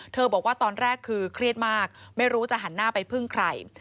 บอกว่าตอนแรกคือเครียดมากไม่รู้จะหันหน้าไปพึ่งใคร